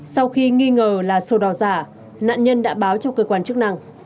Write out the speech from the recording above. sau khi nghi ngờ là sổ đỏ giả nạn nhân đã báo cho cơ quan chức năng